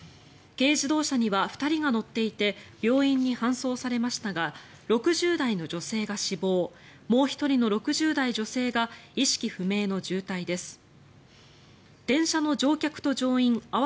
軽自動車には２人が乗っていて病院に搬送されましたが６０代の女性が死亡もう１人の６０代女性が意識不明の重体です。